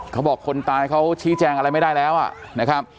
คนตายเขาชี้แจงอะไรไม่ได้แล้วนะครับ